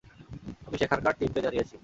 আমি সেখানকার টিমকে জানিয়েছি।